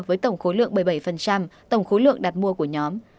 với tổng khối lượng bảy mươi bảy tổng khối lượng đặt mua của nhóm